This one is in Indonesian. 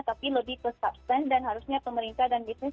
tapi lebih ke substance dan harusnya pemerintah dan bisnis